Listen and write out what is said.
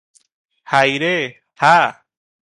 ହାଇରେ -ହା!